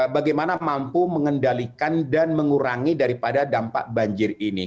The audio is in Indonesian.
bagaimana mampu mengendalikan dan mengurangi daripada dampak banjir ini